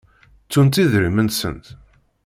Ttunt idrimen-nsent?